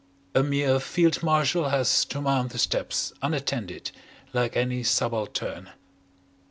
A mere Field marshal has to mount the steps unattended like any subaltern.